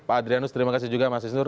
pak adrianus terima kasih juga mas isnur